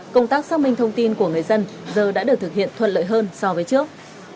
công tác xác minh thông tin của người dân giờ đã được thực hiện thuận lợi hơn so với trước